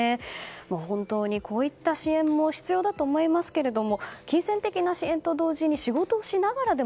本当にこういった支援も必要だと思いますが金銭的な支援と同時に仕事をしながらでも